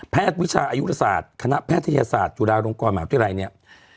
แพทย์วิชาอายุทธศาสตร์คณะแพทยศาสตร์จุฬาโรงกรหมายถึงอะไรเนี้ย